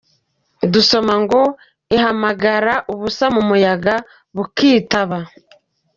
Dusoma ngo “ihamagara ubusa mu muyaga bukitaba!”.